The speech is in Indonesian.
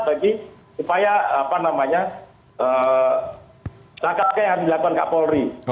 supaya langkah langkah yang dilakukan kapolri